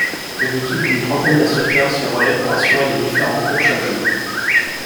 Une équipe d'une trentaine d'instructeurs s'y relaie pour assurer les différents cours chaque jour.